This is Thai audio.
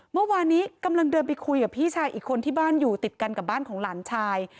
เมื่อวานนี้กำลังเดินไปคุยกับพี่ชายอีกคนที่บ้านอยู่ติดกันกับบ้านของหลานชาย